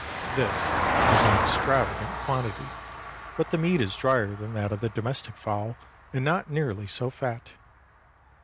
This was an extravagant quantity, but the meat is drier than that of the domestic fowl, and not nearly so fat.